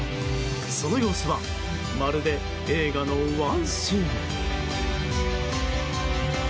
その様子はまるで映画のワンシーン。